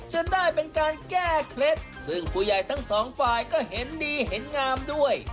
จนได้เป็นการแก้เคล็ดซึ่งผู้ใหญ่ทั้งสองฝ่ายก็เห็นดีเห็นงามด้วย